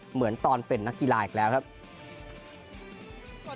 เหมือนตอนเป็นนักกีฬาอีกแล้วครับ